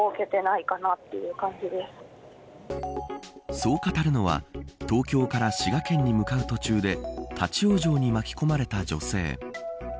そう語るのは東京から滋賀県に向かう途中で立ち往生に巻き込まれた女性。